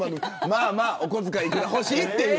まあまあお小遣い幾ら欲しいという。